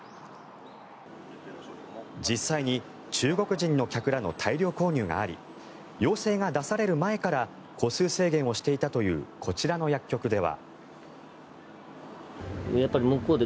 実際に中国人の客らの大量購入があり要請が出される前から個数制限をしていたというこちらの薬局では。